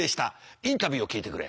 インタビューを聞いてくれ。